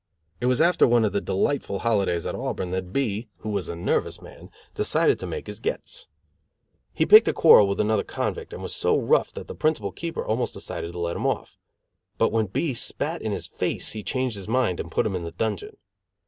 It was after one of the delightful holidays in Auburn that B , who was a nervous man, decided to make his gets. He picked a quarrel with another convict and was so rough that the principal keeper almost decided to let him off; but when B spat in his face he changed his mind and put him in the dungeon.